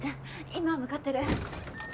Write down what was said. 今向かってる。